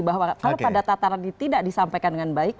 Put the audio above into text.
bahwa kalau data data tadi tidak disampaikan dengan baik